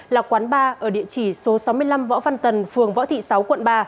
là quán ba ở địa chỉ số sáu mươi năm võ văn tần phường võ thị sáu quận ba